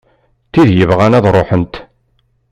D tid yebɣan ad ruḥent.